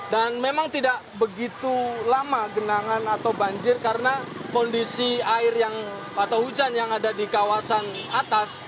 dan memang tidak begitu lama genangan atau banjir karena kondisi air yang atau hujan yang ada di kawasan atas